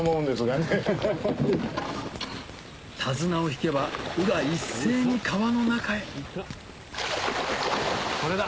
手綱を引けば鵜が一斉に川の中へこれだ！